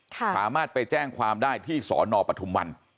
สามารถไปแจ้งความได้ที่สนปฐุมวัน